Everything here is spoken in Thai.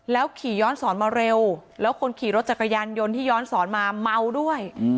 ขี่ย้อนสอนมาเร็วแล้วคนขี่รถจักรยานยนต์ที่ย้อนสอนมาเมาด้วย